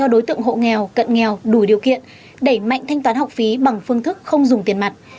đối tượng hộ nghèo cận nghèo đủ điều kiện đẩy mạnh thanh toán học phí bằng phương thức không dùng tiền mặt